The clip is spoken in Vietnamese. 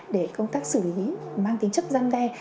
để công tác xử lý mang tính chất răn đen